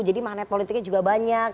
jadi magnet politiknya juga banyak